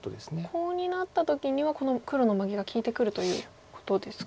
コウになった時にはこの黒のマゲが利いてくるということですか？